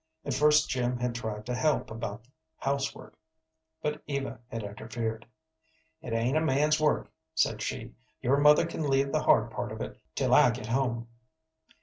At first Jim had tried to help about the house work, but Eva had interfered. "It ain't a man's work," said she. "Your mother can leave the hard part of it till I get home."